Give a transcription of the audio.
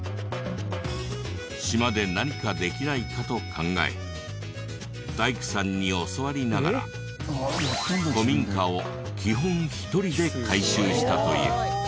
島で何かできないかと考え大工さんに教わりながら古民家を基本１人で改修したという。